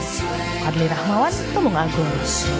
wadli rahmawan tulung agung